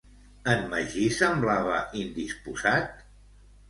En Magí semblava indisposat?